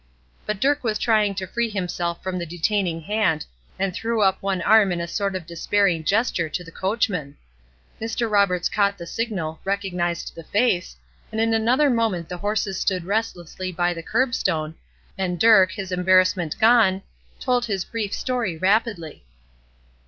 But Dirk was trying to free himself from the detaining hand, and threw up one arm in a sort of despairing gesture to the coachman. Mr. Roberts caught the signal, recognized the face, and in another moment the horses stood restlessly by the curb stone, and Dirk, his embarrassment gone, told his brief story rapidly.